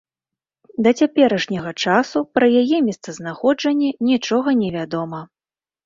Да цяперашняга часу пра яе месцазнаходжанне нічога не вядома.